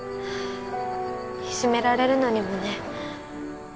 いじめられるのにもね